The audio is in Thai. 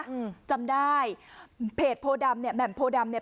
อืมจำได้เพจโพดำเนี้ยแหม่มโพดำเนี้ย